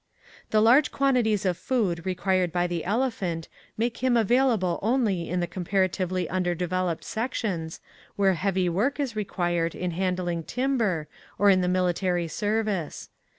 The large quantities of food required by the elephant make him available only in the comparatively undeveloped sec tions, where heavy work is required in handling timber, or in the military service.